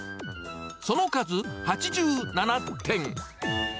その数８７点。